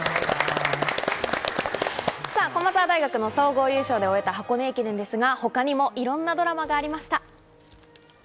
駒澤大学の総合優勝で終えた箱根駅伝ですが、他にもいろんなドラマがありました。